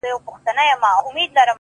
o پښتنو انجونو کي حوري پيدا کيږي؛